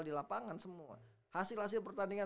di lapangan semua hasil hasil pertandingan